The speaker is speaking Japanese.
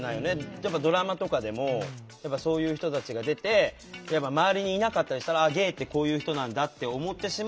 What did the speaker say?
例えばドラマとかでもそういう人たちが出て周りにいなかったりしたらゲイってこういう人なんだって思ってしまうのもまだ。